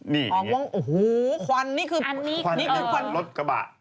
ที่นี่คือควันรถกระบะ